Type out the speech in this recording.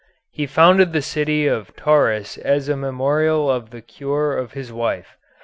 He founded the city of Tauris as a memorial of the cure of his wife.